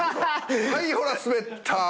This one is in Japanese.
はいほらスベった！